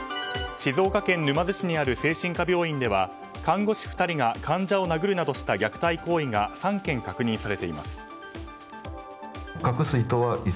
静岡県沼津市にある精神科病院では看護師２人が患者を殴るなどした虐待行為が３件確認されています。